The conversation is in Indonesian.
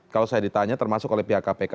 kalau saya ditanya termasuk oleh pihak kpk